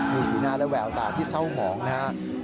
มีสีหน้าและแววตาที่เศร้าหมองนะครับ